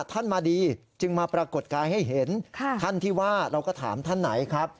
ท่านมาดีจึงมาปรากฏกายให้เห็นท่านที่ว่าเราก็ถามท่านไหนครับ